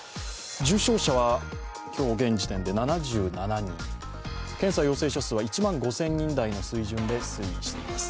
重症者は今日現時点で７７人、検査陽性者数は１万５０００人台の水準で推移しています。